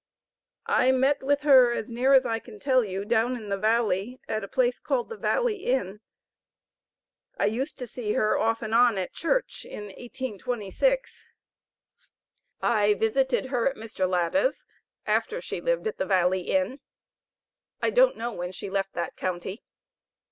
I met with her, as near as I can tell you, down in the valley, at a place called the Valley Inn. I used to see her off and on at church, in 1826. I visited her at Mr. Latta's, after she lived at the Valley Inn. I don't know when she left that county.